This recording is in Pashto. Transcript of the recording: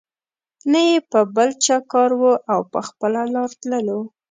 نه یې په بل چا کار وو او په خپله لار تللو.